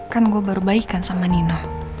kan gue baru baikkan sama nino